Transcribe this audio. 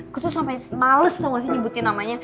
gue tuh sampe males tau gak sih nyebutin namanya